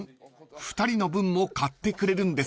２人の分も買ってくれるんですか？］